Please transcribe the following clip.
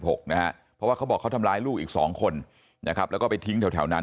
เพราะว่าเขาบอกเขาทำร้ายลูกอีก๒คนนะครับแล้วก็ไปทิ้งแถวนั้น